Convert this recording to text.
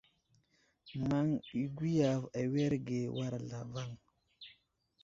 Maŋ gwiyave awerge war zlavaŋ.